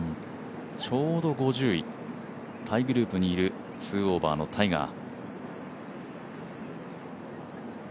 ちょうど５０位タイグループにいる２オーバーのタイガー。